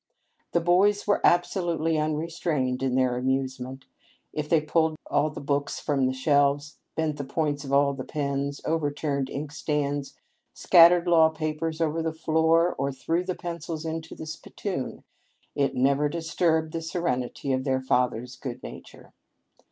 The boys were absolutely unre strained in their amusement. If they pulled down all the books from the shelves, bent the points of all the pens, overturned inkstands, scattered law papers over the floor, or threw the pencils into the spittoon, it never disturbed the serenity of their fa ther's good nature.